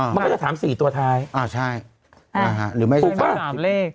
มันก็จะถามสี่ตัวท้ายอ่าใช่อ่าหรือไม่ถามเลข